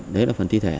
đấy là phần thi thể